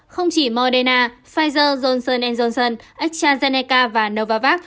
không chỉ moderna pfizer johnson johnson astrazeneca và novavax